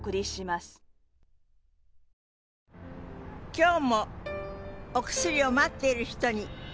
今日もお薬を待っている人に。